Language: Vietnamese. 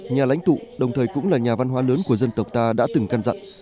nhà lãnh tụ đồng thời cũng là nhà văn hóa lớn của dân tộc ta đã từng căn dặn